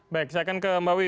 baik saya akan ke mbak wiwi